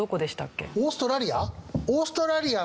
オーストラリア？